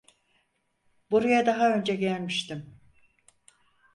Buraya daha önce gelmiştim.